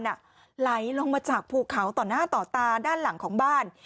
ไหลลงมาจากภูเขาต่อหน้าต่อตาด้านหลังของบ้าน